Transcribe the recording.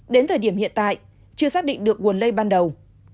đến thời điểm hiện tại chưa xác định được nguồn lây ban đầu